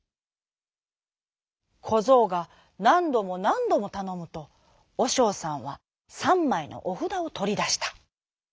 こぞうがなんどもなんどもたのむとおしょうさんはさんまいのおふだをとりだした。